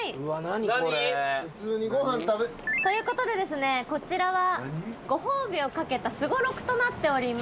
何これ？ということでですねこちらはご褒美を懸けたすごろくとなっております。